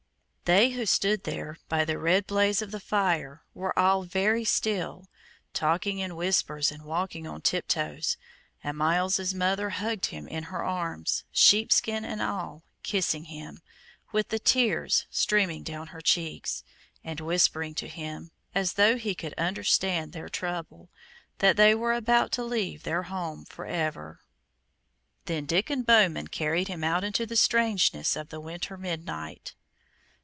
They who stood there by the red blaze of the fire were all very still, talking in whispers and walking on tiptoes, and Myles's mother hugged him in her arms, sheepskin and all, kissing him, with the tears streaming down her cheeks, and whispering to him, as though he could understand their trouble, that they were about to leave their home forever. Then Diccon Bowman carried him out into the strangeness of the winter midnight.